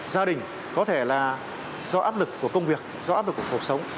gia đình có thể là do áp lực của công việc do áp lực của cuộc sống